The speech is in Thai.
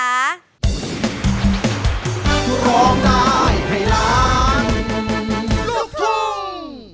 ร้องได้ให้ล้านลูกทุ่ง